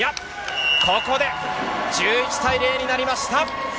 ここで１１対０になりました。